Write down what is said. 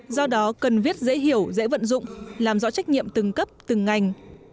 do đó cần viết dễ hiểu dễ vận dụng làm rõ trách nhiệm từng cấp từng ngành